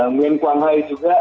nguyen quang hai juga